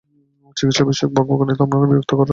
চিকিৎসা বিষয়ক বকবকানিতে আপনাকে বিরক্ত করার দুঃখিত।